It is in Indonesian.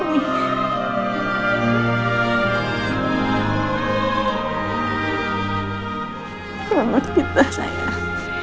belum berhubung dengan kita sayang